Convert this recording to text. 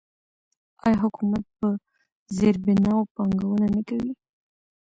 آیا حکومت په زیربناوو پانګونه نه کوي؟